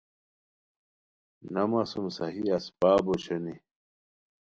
نہ مہ سُوم صحیح اسپاب اوشونی